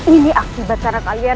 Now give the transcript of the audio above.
ini akibat cara kalian